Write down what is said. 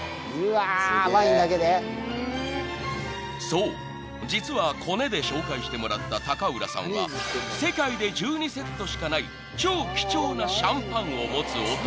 ［そう実はコネで紹介してもらった浦さんは世界で１２セットしかない超貴重なシャンパンを持つ男］